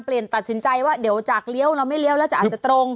ตัดสินใจว่าเดี๋ยวจากเลี้ยวเราไม่เลี้ยวแล้วจะอาจจะตรง